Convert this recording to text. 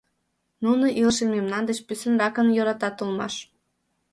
Нуно илышым мемнан деч пӱсынракын йӧратат улмаш.